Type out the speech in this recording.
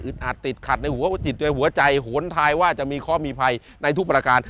อาจติดขัดในหัวจิตโดยหัวใจโหนทายว่าจะมีข้อมีภัยในทุกประการ